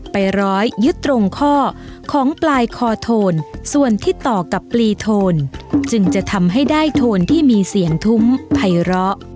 ไปร้อยยึดตรงข้อของปลายคอโทนส่วนที่ต่อกับปลีโทนจึงจะทำให้ได้โทนที่มีเสียงทุ้มภัยร้อ